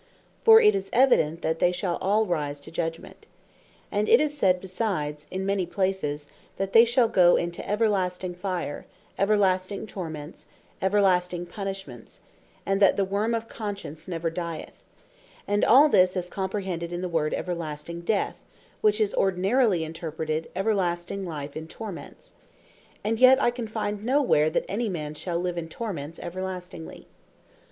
For it is evident, that they shall all rise to Judgement. And it is said besides in many places, that they shall goe into "Everlasting fire, Everlasting torments, Everlasting punishments; and that the worm of conscience never dyeth;" and all this is comprehended in the word Everlasting Death, which is ordinarily interpreted Everlasting Life In Torments: And yet I can find no where that any man shall live in torments Everlastingly.